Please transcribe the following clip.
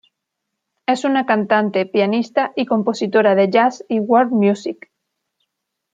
Es una cantante, pianista y compositora de jazz y world music.